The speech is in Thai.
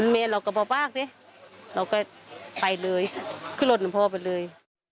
แม่เราก็บอกว่าสิเราก็ไปเลยขึ้นรถนำพ่อไปเลย